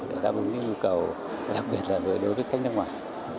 để đáp ứng những nhu cầu đặc biệt là đối với khách nước ngoài